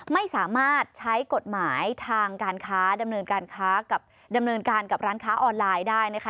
ไม่สามารถใช้กฎหมายทางการค้าดำเนินการร้านค้าออนไลน์ได้นะคะ